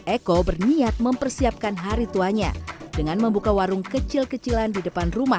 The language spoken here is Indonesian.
eko berniat mempersiapkan hari tuanya dengan membuka warung kecil kecilan di depan rumah